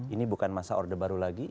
ini bukan masa orde baru lagi